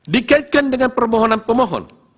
dikaitkan dengan permohonan pemohon